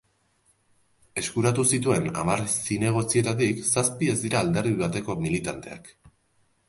Eskuratu zituen hamar zinegotzietatik, zazpi ez dira alderdi bateko militanteak.